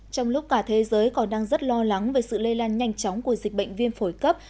trong lúc cả thế giới còn đang rất lo lắng về sự lây lan nhanh chóng của dịch bệnh viêm phổi cấp